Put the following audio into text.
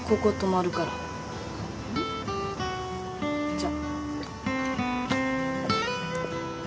じゃ。